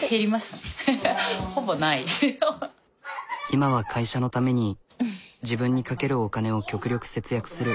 今は会社のために自分にかけるお金を極力節約する。